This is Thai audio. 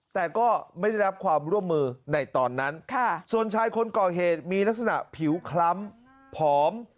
แต่ก็ไม่ได้รับความร่วมมือในตอนนั้นส่วนชายคนก่อเหตุมีลักษณะผิวคล้ำผอม